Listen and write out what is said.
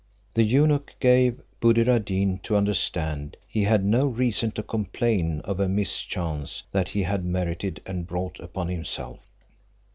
The eunuch gave Buddir ad Deen to understand, he had no reason to complain of a mischance that he had merited and brought upon himself.